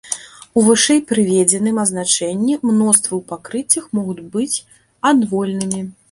У вышэйпрыведзеным азначэнні мноствы ў пакрыццях могуць быць адвольнымі.